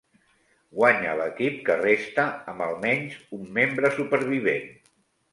Guanya l'equip que resta amb al menys un membre supervivent.